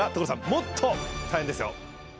もっと大変ですよ。